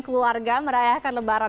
keluarga merayakan lebaran